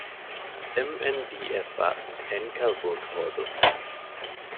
އެމް.އެން.ޑީ.އެފްއަށް އެންކަލް ބޫޓު ހޯދުން